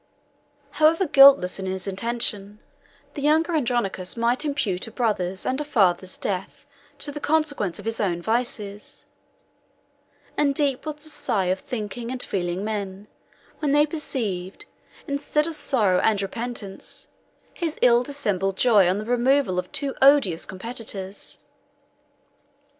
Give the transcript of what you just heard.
7 However guiltless in his intention, the younger Andronicus might impute a brother's and a father's death to the consequence of his own vices; and deep was the sigh of thinking and feeling men, when they perceived, instead of sorrow and repentance, his ill dissembled joy on the removal of two odious competitors.